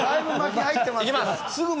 行きます。